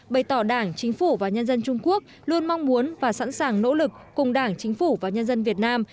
bày tỏ đảng chính phủ và nhân dân trung quốc luôn mong muốn và sẵn sàng nỗ lực cùng đảng chính phủ và nhân dân việt nam